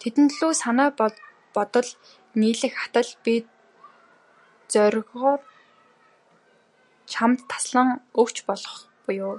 Тэдэн лүгээ санаа бодол нийлэх атал, би зоригоор чамд таслан өгч болох буюу.